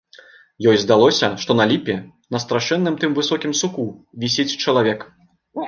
Ёй здалося, што на ліпе, на страшэнным тым высокім суку вісіць чалавек.